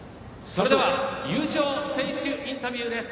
それでは優勝選手インタビューです。